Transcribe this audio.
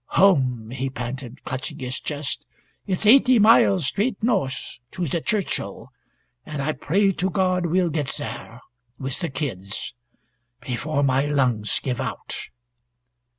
"Home!" he panted, clutching his chest. "It's eighty miles straight north to the Churchill and I pray to God we'll get there with the kids before my lungs give out."